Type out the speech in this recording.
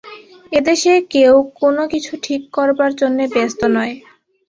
এ দেশে কেউ কোনো কিছু ঠিক করবার জন্যে ব্যস্ত নয়।